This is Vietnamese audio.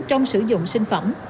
trong sử dụng sinh phẩm